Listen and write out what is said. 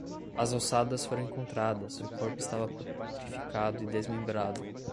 As ossadas foram encontradas, o corpo estava putrificado e desmembrado